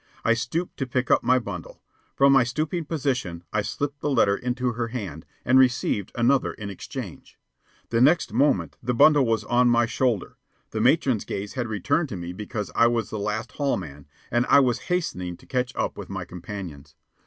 I stooped to pick up my bundle. From my stooping position I slipped the letter into her hand, and received another in exchange. The next moment the bundle was on my shoulder, the matron's gaze had returned to me because I was the last hall man, and I was hastening to catch up with my companions.